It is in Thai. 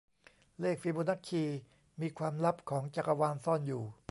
เลขฟิโบนัคคี มีความลับของจักรวาลซ่อนอยู่